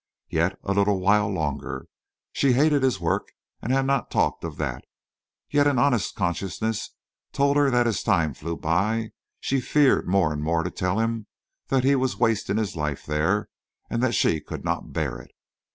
Yet a little while longer! She hated his work and had not talked of that. Yet an honest consciousness told her that as time flew by she feared more and more to tell him that he was wasting his life there and that she could not bear it.